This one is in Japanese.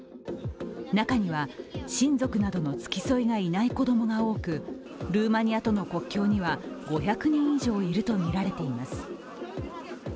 中には、親族などの付き添いがいない子供が多く、ルーマニアとの国境には５００人以上いるとみられています。